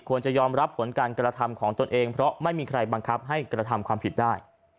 จะยอมรับผลการกระทำของตนเองเพราะไม่มีใครบังคับให้กระทำความผิดได้